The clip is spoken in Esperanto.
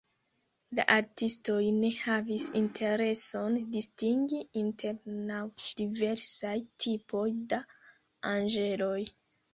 La artistoj ne havis intereson distingi inter naŭ diversaj tipoj da anĝeloj.